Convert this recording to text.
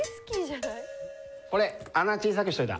これ穴小さくしといた。